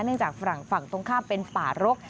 เนื่องจากฝั่งฝั่งตรงข้ามเป็นป่ารก